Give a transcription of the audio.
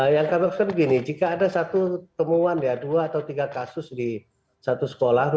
yang kami maksudkan begini jika ada satu temuan ya dua atau tiga kasus di satu sekolah